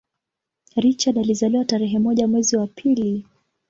Richard alizaliwa tarehe moja mwezi wa pili